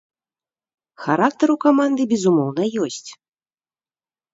Характар у каманды, безумоўна, ёсць.